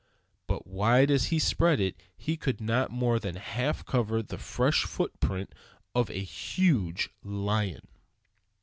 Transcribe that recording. But wide as he spread it, he could not more than half cover the fresh foot print of a huge lion.